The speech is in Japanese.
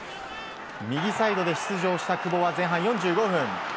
右サイドで出場した久保は前半４５分。